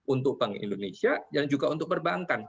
untuk bank indonesia dan juga untuk perbankan